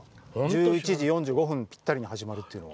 １１時４５分ぴったりに始まるっていうのは。